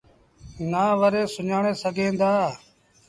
نآ وري سُڃآڻي سگھينٚ دآ